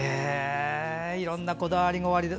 いろんなこだわりもおありで。